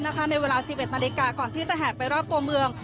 ในเวลา๑๑นาฬิกาก่อนที่จะแหกไปรอบตัวเมือง